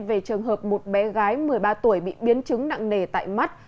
về trường hợp một bé gái một mươi ba tuổi bị biến chứng nặng nề tại mắt